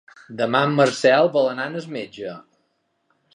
Demà en Marcel vol anar al metge.